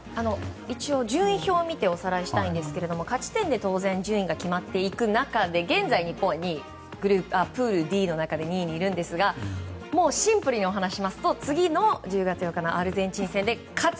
一応、順位表を見ておさらいしたいんですが勝ち点で当然順位が決まっていく中で現在、日本はプールＤの中で２位にいるんですがもうシンプルにお話をしますと次のアルゼンチン戦で勝つ。